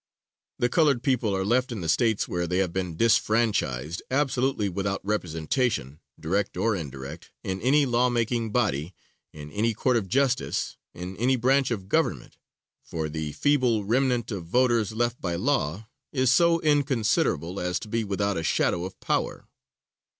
The colored people are left, in the States where they have been disfranchised, absolutely without representation, direct or indirect, in any law making body, in any court of justice, in any branch of government for the feeble remnant of voters left by law is so inconsiderable as to be without a shadow of power.